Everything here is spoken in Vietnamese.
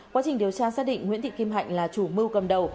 quá trình điều tra xác định nguyễn thị kim hạnh là chủ mưu cầm đầu